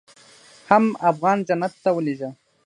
حم افغان جنت ته ولېږه.